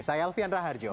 saya alfian raharjo